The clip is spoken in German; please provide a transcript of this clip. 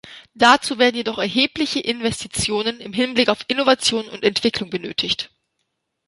Dazu werden jedoch erhebliche Investitionen im Hinblick auf Innovation und Entwicklung benötigt.